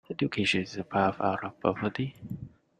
Education is a path out of poverty.